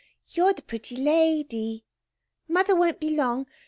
You're the pretty lady. Mother won't be long.